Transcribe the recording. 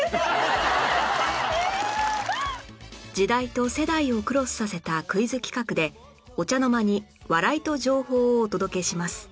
時代と世代をクロスさせたクイズ企画でお茶の間に笑いと情報をお届けします